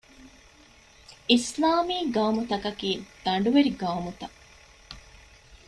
އިސްލާމީ ޤައުމުތަކަކީ ދަނޑުވެރި ޤައުމުތައް